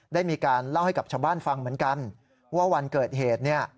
ได้มีการเล่าให้กับชาวบ้านฟังเหมือนกันว่าวันเกิดเหตุเนี่ย